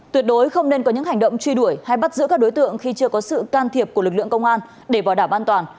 tuyệt đối không nên có những hành động truy đuổi hay bắt giữ các đối tượng khi chưa có sự can thiệp của lực lượng công an để bảo đảm an toàn